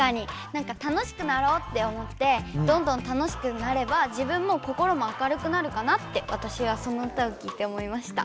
なんか楽しくなろうって思ってどんどん楽しくなれば自分も心も明るくなるかなってわたしはその歌を聞いて思いました。